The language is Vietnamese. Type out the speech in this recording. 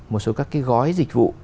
một số các gói dịch vụ